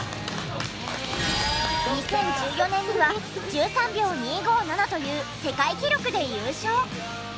２０１４年には１３秒２５７という世界記録で優勝！